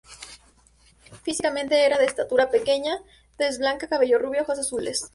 Físicamente era de estatura pequeña, tez blanca, cabello rubio, ojos azules.